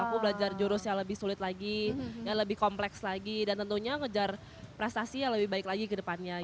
aku belajar jurus yang lebih sulit lagi yang lebih kompleks lagi dan tentunya ngejar prestasi yang lebih baik lagi ke depannya